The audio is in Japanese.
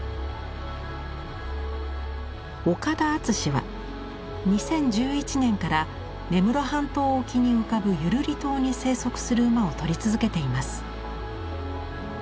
岡田敦は２０１１年から根室半島沖に浮かぶユルリ島に生息する馬を撮り続けています。